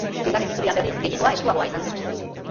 Bigarren itzulian berriz gehiengoa estuagoa izan zen.